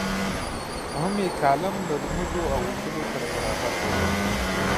هم یې کالم له رموزو او اصولو سره برابر دی.